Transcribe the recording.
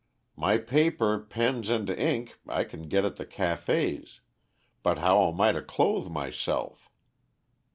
My paper, pens, and ink I can get at the cafés, but how am I to clothe myself?